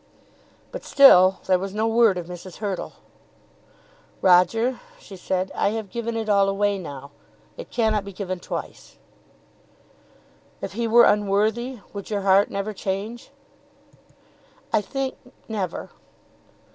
But still there was no word of Mrs. Hurtle. "Roger," she said, "I have given it all away now. It cannot be given twice." "If he were unworthy would your heart never change?" "I think never.